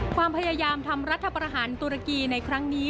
ความพยายามทำรัฐประหารตุรกีในครั้งนี้